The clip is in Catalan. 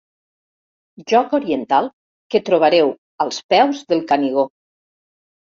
Joc oriental que trobareu als peus del Canigó.